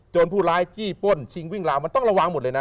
ผู้ร้ายจี้ป้นชิงวิ่งราวมันต้องระวังหมดเลยนะ